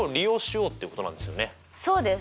そうです。